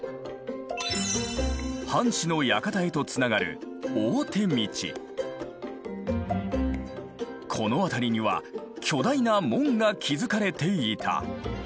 藩主の館へとつながるこの辺りには巨大な門が築かれていた。